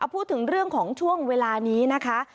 พูดถึงเรื่องของช่วงเวลานี้นะคะ